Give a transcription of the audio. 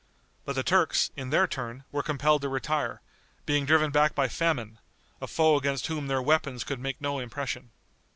But the Turks, in their turn, were compelled to retire, being driven back by famine, a foe against whom their weapons could make no impression.